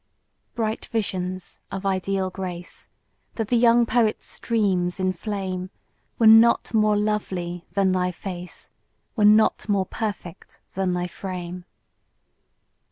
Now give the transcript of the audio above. Bright visions of ideal grace That the young poet's dreams inflame, Were not more lovely than thy face; Were not more perfect than thy frame.